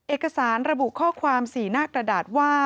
เอกสารระบุข้อความสีหน้ากระดาษว่า